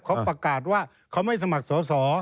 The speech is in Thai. เขาประกาศว่าเขาไม่สมัครสอสอ